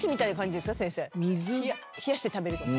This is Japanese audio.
冷やして食べるとか。